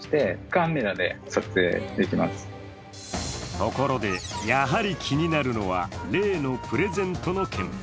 ところでやはり気になるのは例のプレゼントの件。